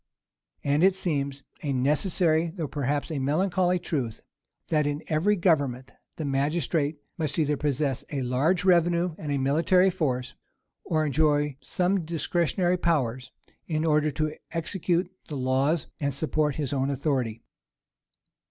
And it seems a necessary, though perhaps a melancholy truth, that in every government, the magistrate must either possess a large revenue and a military force, or enjoy some discretionary powers, in order to execute the laws and support his own authority.